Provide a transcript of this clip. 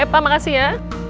eh pak makasih ya